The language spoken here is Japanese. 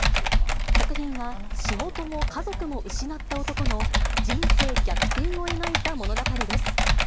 作品は仕事も家族も失った男の人生逆転を描いた物語です。